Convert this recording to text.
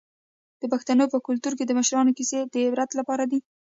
د پښتنو په کلتور کې د مشرانو کیسې د عبرت لپاره دي.